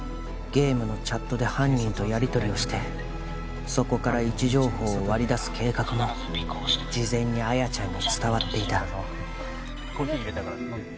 ゲームのチャットで犯人とやりとりをしてそこから位置情報を割り出す計画も事前に亜矢ちゃんに伝わっていたお疲れさまコーヒー入れたから飲んで